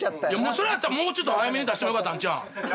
それやったらもうちょっと早めに出してもよかったんちゃうん？